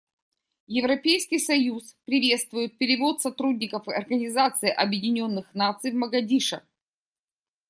Европейский союз приветствует перевод сотрудников Организации Объединенных Наций в Могадишо.